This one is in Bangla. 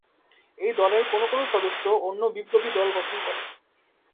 এই দলের কোনো কোনো সদস্য অন্য বিপ্লবী দল গঠন করেন।